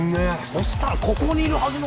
そしたらここにいるはずの